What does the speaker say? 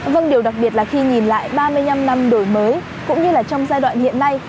vâng điều đặc biệt là khi nhìn lại ba mươi năm năm đổi mới cũng như là trong giai đoạn hiện nay